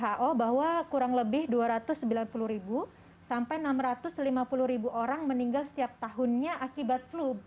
who bahwa kurang lebih dua ratus sembilan puluh sampai enam ratus lima puluh orang meninggal setiap tahunnya akibat flu